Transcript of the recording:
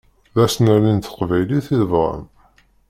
D asnerni n teqbaylit i tebɣam.